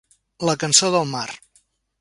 La cançó del mar.